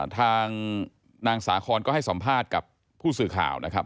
ทางนางสาคอนก็ให้สัมภาษณ์กับผู้สื่อข่าวนะครับ